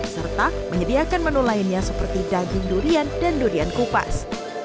serta menyediakan menu lainnya seperti daging durian dan durian kupas